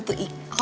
ya udah ga perlu